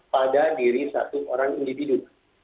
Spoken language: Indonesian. pada diri satu orang individu